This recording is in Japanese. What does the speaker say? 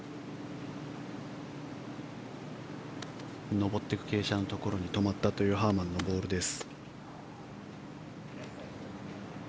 上っていく傾斜のところに止まったハーマンのボールです。